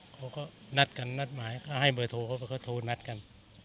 เขาก็นัดกันนัดหมายเขาให้เบอร์โทรเขาก็โทรนัดกัน